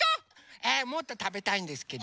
えっもっとたべたいんですけど。